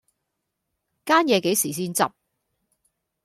間野幾時先執